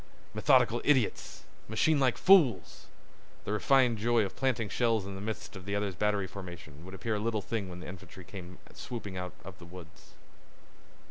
Methodical idiots! Machine like fools! The refined joy of planting shells in the midst of the other battery's formation would appear a little thing when the infantry came swooping out of the woods.